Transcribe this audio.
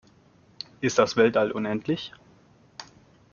Ist das Weltall unendlich?